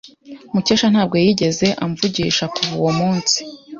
Mukesha ntabwo yigeze amvugisha kuva uwo munsi.